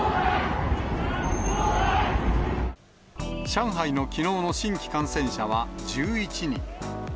上海のきのうの新規感染者は１１人。